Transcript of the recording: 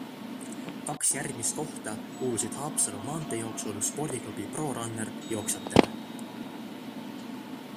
Kaks järgmist kohta kuulusid Haapsalu maanteejooksul spordiklubi ProRunner jooksjatele.